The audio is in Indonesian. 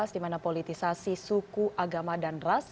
dimana politisasi suku agama dan ras